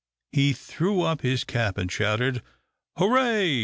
He threw up his cap, and shouted, "Hurrah!